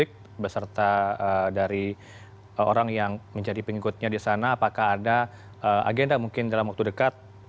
baik beserta dari orang yang menjadi pengikutnya di sana apakah ada agenda mungkin dalam waktu dekat